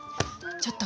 ちょっと！